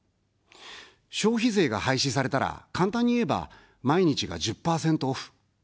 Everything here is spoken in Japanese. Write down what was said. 消費税が廃止されたら、簡単にいえば、毎日が１０％オフ。